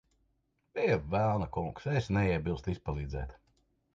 Pie velna, kungs. Es neiebilstu izpalīdzēt.